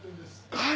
はい。